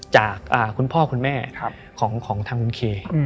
จากคุณพ่อคุณแม่ของทางคุณเค